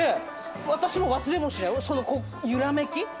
私も忘れもしないその揺らめき？